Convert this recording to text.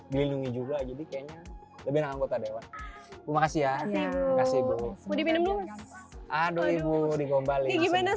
dilindungi juga jadi kayaknya lebih anggota dewa makasih ya kasih gue mau dipinum aduh ibu dikobali